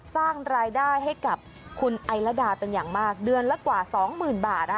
สร้างรายได้ให้กับคุณไอลดาเป็นอย่างมากเดือนละกว่าสองหมื่นบาท